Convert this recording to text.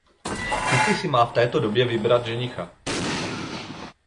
Kitty si má v této době vybrat ženicha.